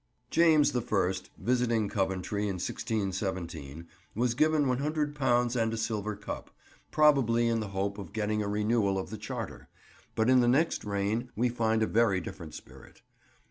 James the First, visiting Coventry in 1617, was given £100 and a silver cup; probably in the hope of getting a renewal of the charter; but in the next reign we find a very different spirit.